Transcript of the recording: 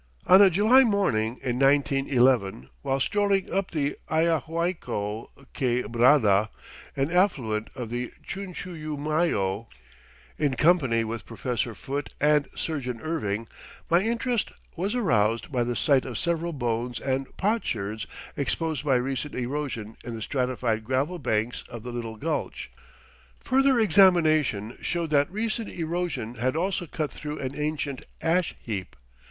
On a July morning in 1911, while strolling up the Ayahuaycco quebrada, an affluent of the Chunchullumayo, in company with Professor Foote and Surgeon Erving, my interest was aroused by the sight of several bones and potsherds exposed by recent erosion in the stratified gravel banks of the little gulch. Further examination showed that recent erosion had also cut through an ancient ash heap.